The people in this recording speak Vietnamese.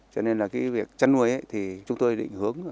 cho nên là cái việc chăn nuôi thì chúng tôi định hướng